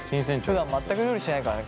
ふだん全く料理しないからね